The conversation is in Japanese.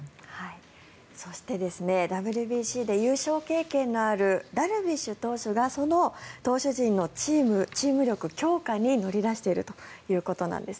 そしてＷＢＣで優勝経験のあるダルビッシュ投手がその投手陣のチーム力強化に乗り出しているということなんです。